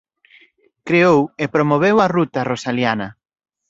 Creou e promoveu a "Ruta Rosaliana".